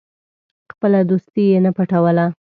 خپله دوستي یې نه پټوله.